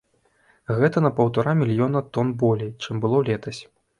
Гэта на паўтара мільёна тон болей, чым было летась.